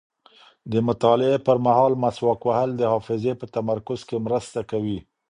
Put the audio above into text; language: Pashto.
د مطالعې پر مهال مسواک وهل د حافظې په تمرکز کې مرسته کوي.